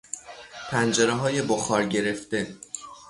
پنجرههای بخار گرفته